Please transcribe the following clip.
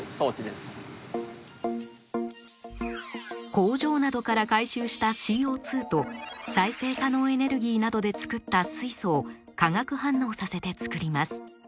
工場などから回収したＣＯと再生可能エネルギーなどで作った水素を化学反応させて作ります。